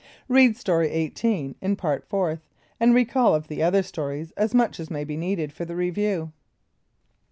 (Read Story 18 in Part Fourth, and recall of the other stories as much as may be needed for the Review.)